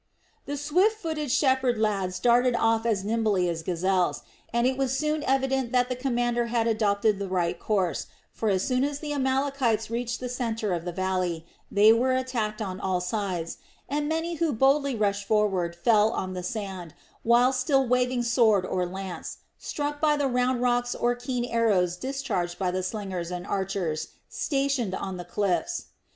The swift footed shepherd lads darted off as nimbly as gazelles, and it was soon evident that the commander had adopted the right course for, as soon as the Amalekites reached the center of the valley, they were attacked on all sides, and many who boldly rushed forward fell on the sand while still waving sword or lance, struck by the round stones or keen arrows discharged by the slingers and archers stationed on the cliffs.